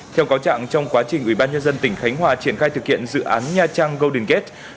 theo cáo trạng trong quá trình ubnd tỉnh khánh hòa triển khai thực hiện dự án nha trang golden gate